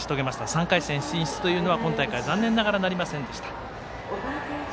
３回戦進出というのは今大会は残念ながらなりませんでした。